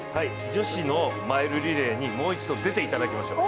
女子のマイルリレーにもう一度、出ていただきましょう。